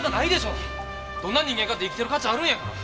どんな人間かて生きてる価値あるんやから。